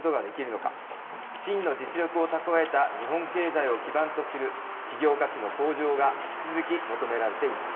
真の実力を蓄えた日本経済を基盤とする企業価値の向上が引き続き求められています。